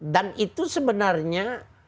dan itu sebenarnya